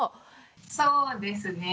そうですね。